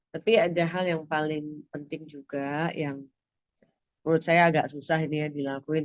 tapi ada hal yang paling penting juga yang menurut saya agak susah dilakukan